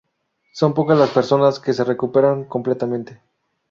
Son pocas las personas que se recuperan completamente.